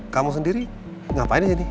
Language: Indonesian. kamu sendiri ngapain di sini